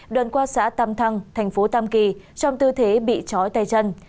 đoàn qua xã tâm thăng thành phố tâm kỳ trong tư thế bị chói tay chân